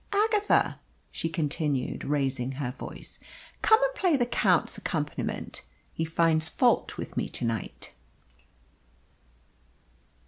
Agatha," she continued, raising her voice, "come and play the Count's accompaniment. He finds fault with me to night."